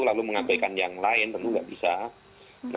lalu mengabaikan yang lain tentu nggak bisa